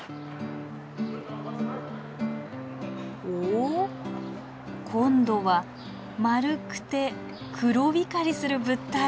お今度は丸くて黒光りする物体。